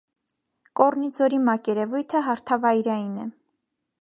Կոռնիձորի մակերևույթը հարթավայրային է։